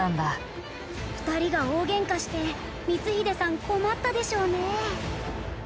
２人が大ゲンカして光秀さん困ったでしょうね。